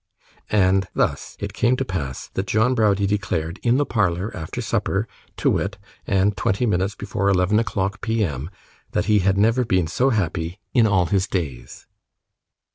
And thus it came to pass, that John Browdie declared, in the parlour after supper, to wit, and twenty minutes before eleven o'clock p.m., that he had never been so happy in all his days.